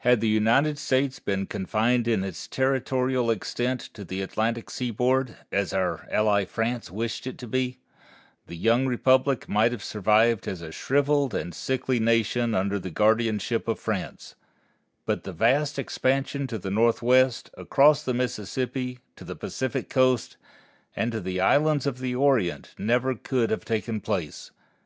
Had the United States been confined in its territorial extent to the Atlantic seaboard, as our ally France wished it to be, the young republic might have survived as a shriveled and sickly nation under the guardianship of France; but the vast expansion to the Northwest, across the Mississippi, to the Pacific Coast, and to the Islands of the Orient never could have taken place.